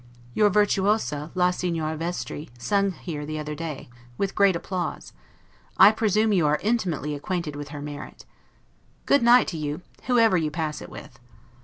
Your 'virtuosa', la Signora Vestri, sung here the other day, with great applause: I presume you are INTIMATELY acquainted with her merit. Good night to you, whoever you pass it with.